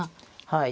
はい。